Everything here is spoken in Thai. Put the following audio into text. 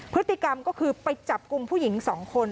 พฤติกรรมก็คือไปจับกลุ่มผู้หญิง๒คน